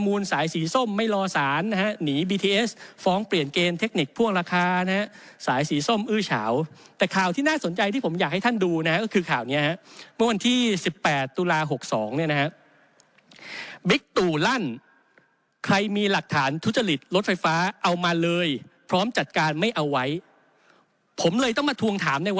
สายสีส้มไม่รอสารนะฮะหนีบีทีเอสฟ้องเปลี่ยนเกณฑ์เทคนิคพ่วงราคานะฮะสายสีส้มอื้อเฉาแต่ข่าวที่น่าสนใจที่ผมอยากให้ท่านดูนะฮะก็คือข่าวเนี้ยฮะเมื่อวันที่๑๘ตุลา๖๒เนี่ยนะฮะบิ๊กตู่ลั่นใครมีหลักฐานทุจริตรถไฟฟ้าเอามาเลยพร้อมจัดการไม่เอาไว้ผมเลยต้องมาทวงถามในว